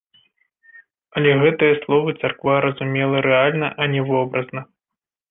Але гэтыя словы царква разумела рэальна, а не вобразна.